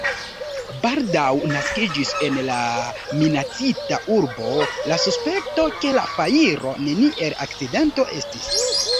Baldaŭ naskiĝis en la minacita urbo la suspekto, ke la fajro neniel akcidento estis.